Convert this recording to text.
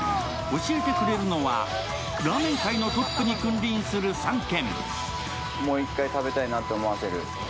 教えてくれるのはラーメン界のトップに君臨する３軒。